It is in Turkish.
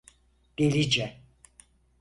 Delice.